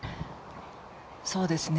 そうですね。